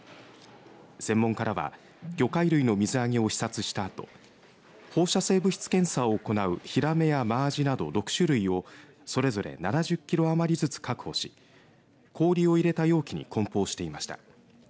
専門家らは魚介類の水揚げを視察したあと放射性物質検査を行うヒラメやマアジなど６種類をそれぞれ７０キロ余りずつ確保し氷を入れた容器にこん包していました。